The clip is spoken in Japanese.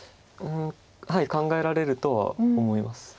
考えられるとは思います。